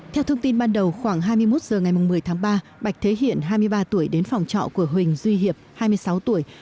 theo thông tin ban đầu khoảng hai mươi một h ngày một mươi tháng ba bạch thế hiện hai mươi ba tuổi đến phòng trọ của huỳnh duy hiệp hai mươi sáu tuổi